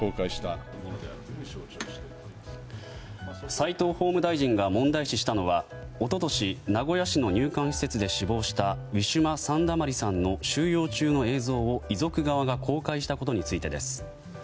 齋藤法務大臣が問題視したのは一昨年、名古屋市の入管施設で死亡したウィシュマ・サンダマリさんの収容中の映像を遺族側が公開したことについてです。